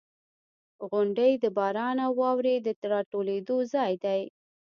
• غونډۍ د باران او واورې د راټولېدو ځای دی.